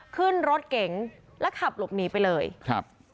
ขึ้นรถเก๋งแล้วขับหลบหนีไปเลยครับ